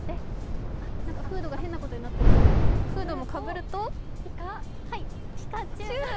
フードが変なことになってるけどフードもかぶるとはい、ピカチュウ！